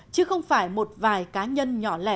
chứ không phải một vài cá nhân nhỏ lẻ